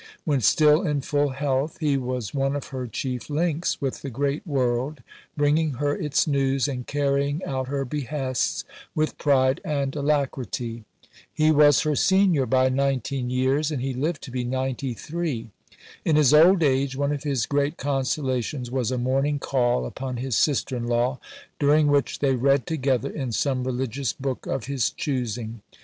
When still in full health, he was one of her chief links with the great world, bringing her its news and carrying out her behests with pride and alacrity. He was her senior by nineteen years, and he lived to be ninety three. In his old age one of his great consolations was a morning call upon his sister in law, during which they read together in some religious book of his choosing.